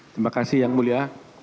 terima kasih yang mulia